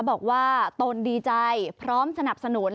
บอกว่าตนดีใจพร้อมสนับสนุน